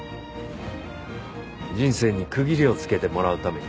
人生に区切りをつけてもらうために。